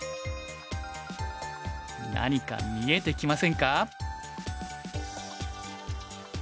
何か見えてきませんか？